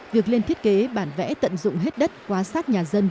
việc lên thiết kế bản vẽ tận dụng hết đất quá sát nhà dân